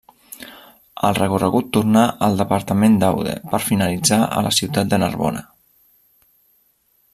El recorregut tornà al departament d'Aude per finalitzar a la ciutat de Narbona.